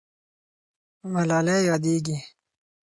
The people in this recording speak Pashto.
ملالۍ یادېږي.